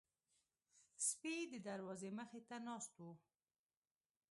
سپي د دروازې مخې ته ناست وو.